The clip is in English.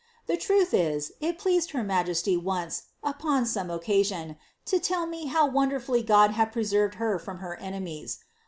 The iruili is, it pleaded her majesty once, upon some occasion, to tell me how wonderfully God had pre Krved her from her enemies.